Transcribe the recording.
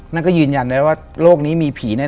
และก็ยืนยันได้ว่าโลกนี้มีผีแน่๑๐๐